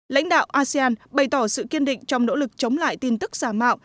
lãnh đạo asean bày tỏ sự kiên định trong nỗ lực chống lại tin tức giả mạo